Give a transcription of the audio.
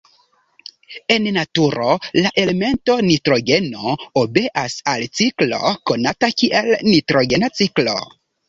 En naturo, la elemento nitrogeno obeas al ciklo konata kiel nitrogena ciklo.